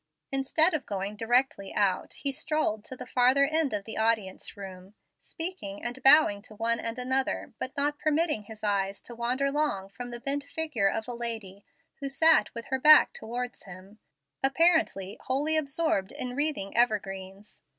Instead of going directly out, he strolled to the farther end of the audience room, speaking and bowing to one and another, but not permitting his eyes to wander long from the bent figure of a lady who sat with her back towards him, apparently wholly absorbed in wreathing evergreens.